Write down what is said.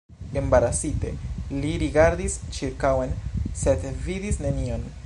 Embarasite, li rigardis ĉirkaŭen, sed vidis nenion.